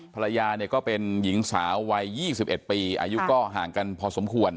ภรรยาเนี่ยก็เป็นหญิงสาววัย๒๑ปีอายุก็ห่างกันพอสมควร